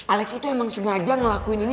alex itu emang sengaja ngelakuin ini